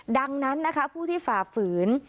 ดังนั้นนะคะผู้ที่ฝ่าฝืน